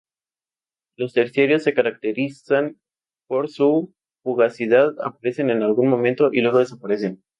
Los terciarios se caracterizan por su fugacidad, aparecen en algún momento y luego desaparecen.